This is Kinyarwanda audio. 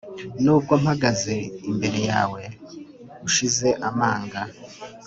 nubwo mpagaze imbere yawe ushize amanga,